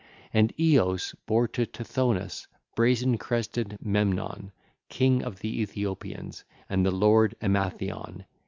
(ll. 984 991) And Eos bare to Tithonus brazen crested Memnon, king of the Ethiopians, and the Lord Emathion.